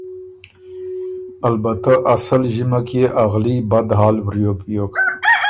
البته اسل ݫِمک يې ا غلي بد حال وریوک بیوک۔